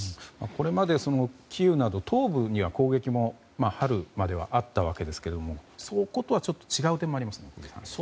これまでキーウなど東部には攻撃も春まではあったわけですがそことはちょっと違う点もありますね。